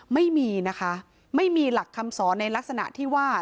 ไม่มีนะคะไม่มีหลักคำสอนในลักษณะที่ว่า